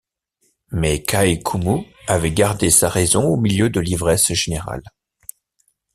Mais Kai-Koumou avait gardé sa raison au milieu de l’ivresse générale.